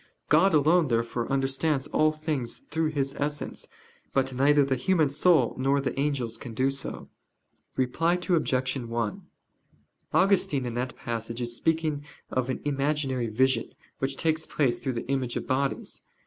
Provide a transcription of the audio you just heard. God alone, therefore, understands all things through His Essence: but neither the human soul nor the angels can do so. Reply Obj. 1: Augustine in that passage is speaking of an imaginary vision, which takes place through the image of bodies.